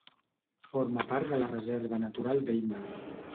Forma part de la Reserva natural d'Eina.